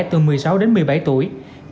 từ một mươi sáu đến một mươi bảy tuổi